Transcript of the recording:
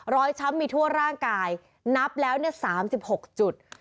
ช้ำมีทั่วร่างกายนับแล้ว๓๖จุด